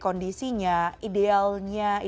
kewah kawannya a z